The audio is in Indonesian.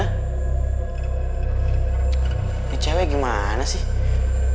ini cewek gimana sih